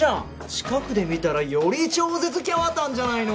近くで見たらより超絶きゃわたんじゃないの。